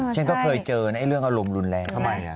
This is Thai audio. ฉันก็เคยเจอในเรื่องอารมณ์รุนแรง